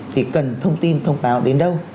thì cần thông tin thông báo đến đâu